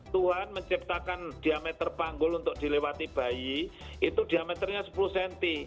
tuhan menciptakan diameter panggul untuk dilewati bayi itu diameternya sepuluh cm